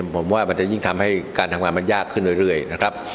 ผมว่ามันจะยิ่งทำให้การทำงานมันยากขึ้นเรื่อยนะครับ